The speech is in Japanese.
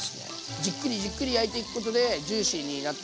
じっくりじっくり焼いていくことでジューシーになっていくんで。